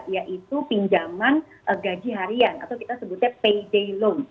yaitu pinjaman gaji harian atau kita sebutnya payday loan